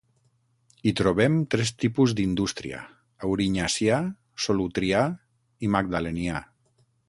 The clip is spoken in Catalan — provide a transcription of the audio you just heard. Hi trobem tres tipus d'indústria: aurinyacià, solutrià i magdalenià.